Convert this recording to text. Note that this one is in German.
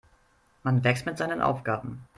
Man wächst mit seinen Aufgaben.